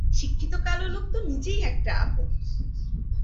শিক্ষিত কালো লোক তো নিজেই একটা আপদ।